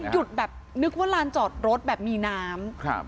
หยุดแบบนึกว่าลานจอดรถแบบมีน้ำ